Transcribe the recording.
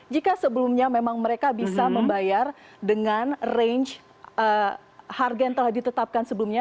jika sebelumnya memang mereka bisa membayar dengan range harga yang telah ditetapkan sebelumnya